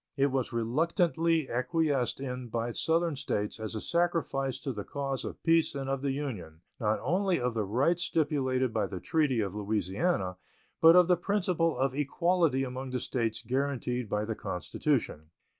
It was reluctantly acquiesced in by Southern States as a sacrifice to the cause of peace and of the Union, not only of the rights stipulated by the treaty of Louisiana, but of the principle of equality among the States guaranteed by the Constitution.